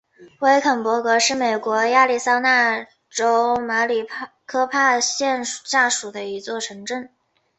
威肯勃格是美国亚利桑那州马里科帕县下属的一座城镇。